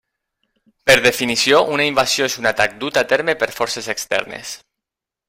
Per definició, una invasió és un atac dut a terme per forces externes.